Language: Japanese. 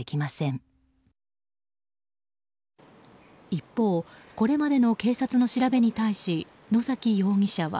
一方、これまでの警察の調べに対し野崎容疑者は。